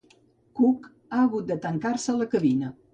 Cook ha hagut de tancar-se a la cabina.